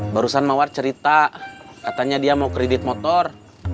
barusan mawar cerita katanya dia mau kredit motor